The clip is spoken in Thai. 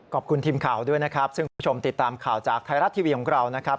ขอบคุณทีมข่าวด้วยนะครับซึ่งคุณผู้ชมติดตามข่าวจากไทยรัฐทีวีของเรานะครับ